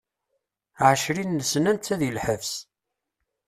Ɛecrin-sna netta di lḥebs.